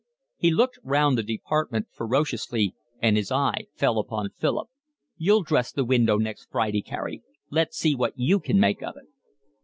He looked round the department ferociously, and his eye fell upon Philip. "You'll dress the window next Friday, Carey. Let's see what you can make of it."